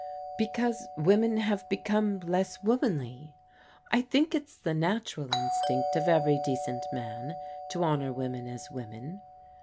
" Because women have become less womanly. I think it's the natural instinct of every decent man to honour women as women.